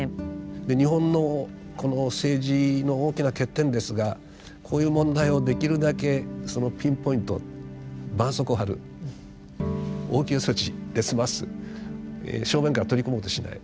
日本のこの政治の大きな欠点ですがこういう問題をできるだけそのピンポイントばんそうこうを貼る応急措置で済ます正面から取り組もうとしない。